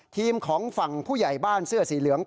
ทีมของฝั่งผู้ใหญ่บ้านเสื้อสีเหลือง